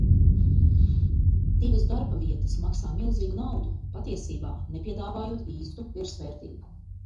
Divas darbavietas maksā milzīgu naudu, patiesībā nepiedāvājot īstu virsvērtību.